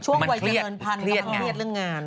ช่วงวัยเกิดเดินพันธุ์ก็มันเครียดเรื่องงาน